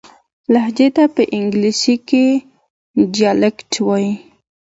لهجې ته په انګلیسي کښي Dialect وایي.